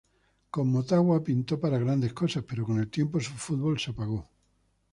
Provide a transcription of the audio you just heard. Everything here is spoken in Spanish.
Con Motagua pintó para grandes cosas, pero con el tiempo su fútbol se apagó.